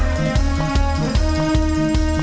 สวัสดีค่ะ